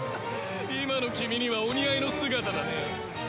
今の君にはお似合いの姿だね。